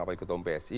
apalagi ketua umum psi